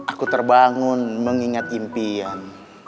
aku terbangun mengingat impian